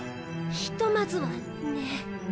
ひとまずはね。